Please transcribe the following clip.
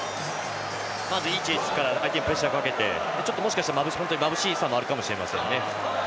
いいディフェンスから相手にプレッシャーかけてもしかしてまぶしさもあるかもしれませんね。